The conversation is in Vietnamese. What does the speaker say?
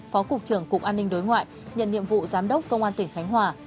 phó cục trưởng cục an ninh đối ngoại nhận nhiệm vụ giám đốc công an tỉnh khánh hòa